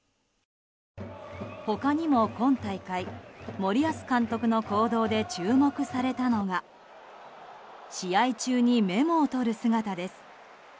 他にも、今大会森保監督の行動で注目されたのが試合中にメモを取る姿です。